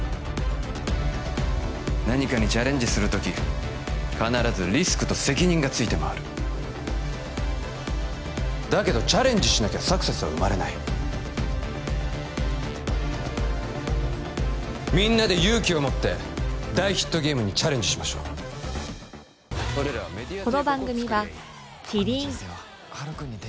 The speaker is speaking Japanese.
何かにチャレンジする時必ずリスクと責任がついてまわるだけどチャレンジしなきゃサクセスは生まれないみんなで勇気を持って大ヒットゲームにチャレンジしましょうあぁ！